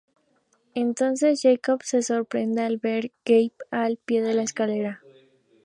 Entonces Jacob se sorprende al ver Gabe al pie de la escalera.